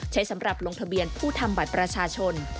ใช้สำหรับลงทะเบียนผู้ทำบัตรประชาชน